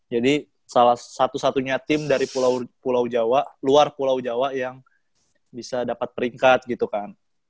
jadi salah satu satunya tim dari luar pulau jawa yang bisa dapat peringkat gitu kan